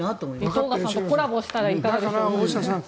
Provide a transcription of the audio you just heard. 井藤賀さんとコラボしたらいかがでしょうか。